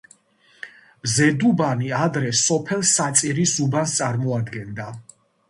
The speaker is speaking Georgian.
ზედუბანი ადრე სოფელ საწირის უბანს წარმოადგენდა.